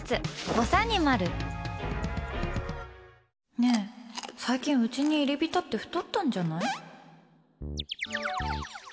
ねえ、最近うちに入り浸って太ったんじゃない？